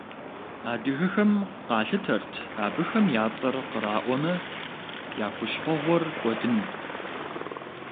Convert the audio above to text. Адыгэхэм къалъытэрт абыхэм я цӏэр къраӏуэмэ, я хущхъуэгъуэр кӏуэдыну.